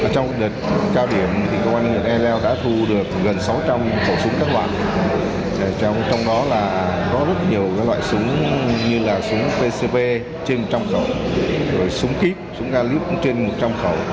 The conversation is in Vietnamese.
trong đợt cao điểm công an huyện ea leo đã thu được gần sáu trăm linh khẩu súng các loại trong đó có rất nhiều loại súng như là súng pcb trên một trăm linh khẩu súng kíp súng ga lít trên một trăm linh khẩu